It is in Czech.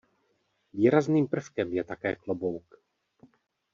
Výrazným prvkem je také klobouk.